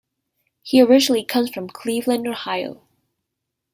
He originally comes from Cleveland, Ohio.